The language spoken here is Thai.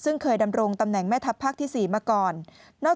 ซึ่งเคยดำรงตำแหน่งแม่ทัพภาคที่๔มาก่อน